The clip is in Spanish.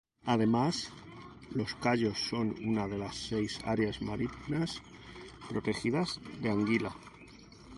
Además, los cayos son una de las seis áreas marinas protegidas de Anguila.